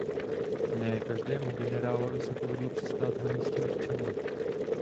Ne každému generálovi se povedlo přistát na místě určení.